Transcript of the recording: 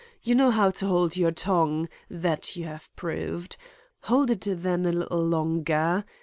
You know how to hold your tongue; that you have proved. Hold it then a little longer.